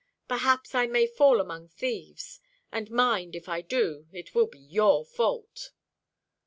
Perhaps I may fall among thieves: and mind, if I do, it will be your fault."